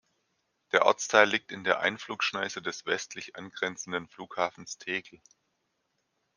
Der Ortsteil liegt in der Einflugschneise des westlich angrenzenden Flughafens Tegel.